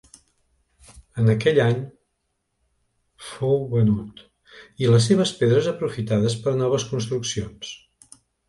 En aquell any fou venut i les seves pedres aprofitades per a noves construccions.